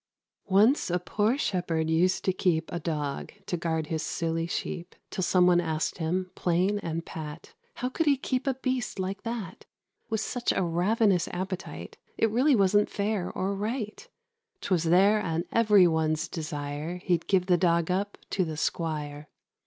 "Once a poor shepherd used to keep A dog, to guard his silly sheep; Till some one asked him, plain and pat, How he could keep a beast like that, With such a ravenous appetite: It really wasn't fair or right. 'Twas their and every one's desire He'd give the dog up to the squire.